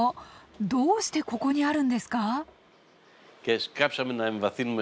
どうしてここにあるんですか？